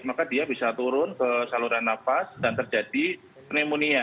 maka dia bisa turun ke saluran nafas dan terjadi pneumonia